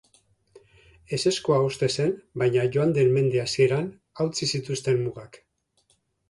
Ezezkoa uste zen baina joan den mende hasieran hautsi zituzten mugak.